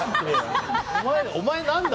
お前、何だ？